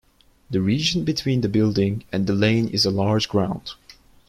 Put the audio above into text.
The region between the building and the lane is a large ground.